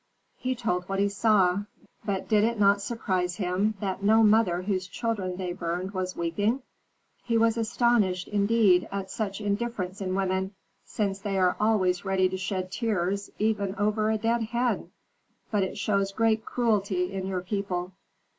"He told what he saw. But did it not surprise him that no mother whose children they burned was weeping?" "He was astonished, indeed, at such indifference in women, since they are always ready to shed tears even over a dead hen. But it shows great cruelty in your people."